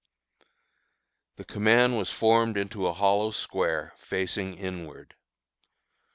The command was formed into a hollow square, facing inward.